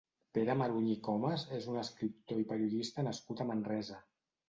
Pere Maruny i Comas és un escriptor i periodista nascut a Manresa.